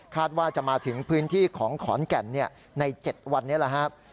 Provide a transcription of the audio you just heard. ว่าจะมาถึงพื้นที่ของขอนแก่นใน๗วันนี้แหละครับ